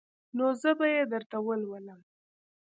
نو زه به يې درته ولولم.